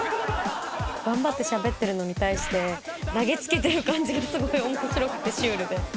頑張ってしゃべってるのに対して、投げつけてる感じがすごいおもしろくて、シュールで。